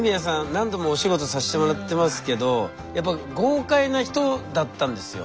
何度もお仕事さしてもらってますけどやっぱ豪快な人だったんですよ。